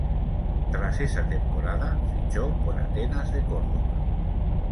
Tras esa temporada, fichó por Atenas de Córdoba.